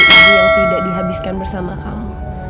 ibu yang tidak dihabiskan bersama kau